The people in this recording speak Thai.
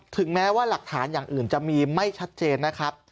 ถึงแม้ว่าหลักฐานอย่างอื่นจะมีไม่ชัดเจนนะครับ